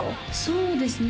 そうですね